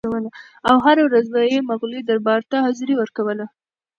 او هره ورځ به یې مغولي دربار ته حاضري ورکوله.